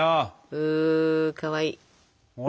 うかわいい！